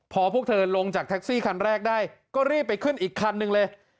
พอพวกเธอลงจากแท็กซี่คันแรกได้ก็รีบไปขึ้นอีกคันหนึ่งเลย